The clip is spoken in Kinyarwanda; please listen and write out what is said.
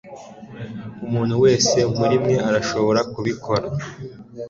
umuntu wese muri mwe arashobora kubikora